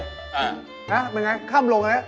หาะมันอย่างไรค่ำลง